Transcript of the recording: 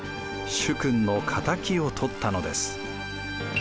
主君の敵を取ったのです。